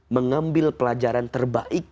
mengambil pelajaran terbaik